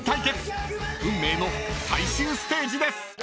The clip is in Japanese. ［運命の最終ステージです］